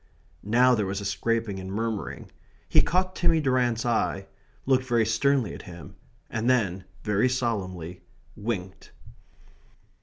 Now there was a scraping and murmuring. He caught Timmy Durrant's eye; looked very sternly at him; and then, very solemnly, winked.